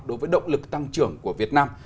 đối với động lực tăng trưởng của việt nam